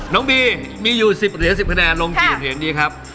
น้องบีมีอยู่๑๐เหลือ๑๐คะแนนลงกินเป็นอย่างนี้ครับ